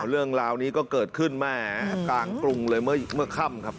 เรื่องราวนี้ก็เกิดขึ้นแม่กลางกรุงเลยเมื่อค่ำครับ